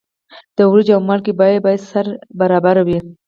د وریجو او مالګې بیه باید سره برابره وي.